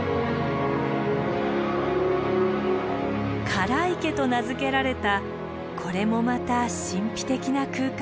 空池と名付けられたこれもまた神秘的な空間です。